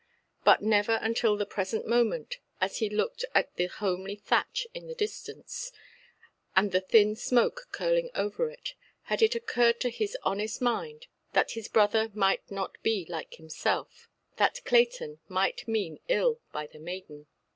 But never until the present moment, as he looked at the homely thatch in the distance, and the thin smoke curling over it, had it occurred to his honest mind, that his brother might not be like himself—that Clayton might mean ill by the maiden.